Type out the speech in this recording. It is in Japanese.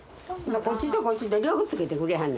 こっちとこっちと両方付けてくれはんねんな。